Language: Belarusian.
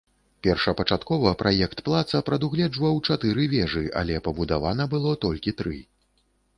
Першапачаткова праект палаца прадугледжваў чатыры вежы, але пабудавана было толькі тры.